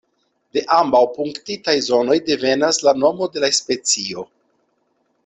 De ambaŭ punktitaj zonoj devenas la nomo de la specio.